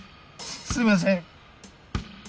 すいません。